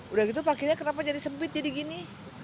udah gitu parkirnya kenapa jadi sempit jadi gini